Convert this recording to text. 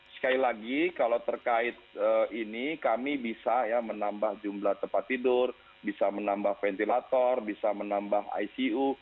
sekali lagi kalau terkait ini kami bisa ya menambah jumlah tempat tidur bisa menambah ventilator bisa menambah icu